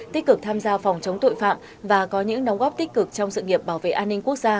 tích cực tham gia phòng chống tội phạm và có những đóng góp tích cực trong sự nghiệp bảo vệ an ninh quốc gia